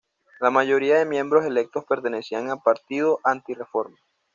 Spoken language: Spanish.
La mayoría de miembros electos pertenecían al Partido Anti-Reforma.